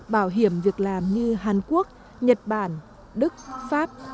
bảo hiểm việc làm như hàn quốc nhật bản đức pháp